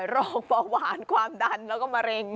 โรคเบาหวานความดันแล้วก็มะเร็ง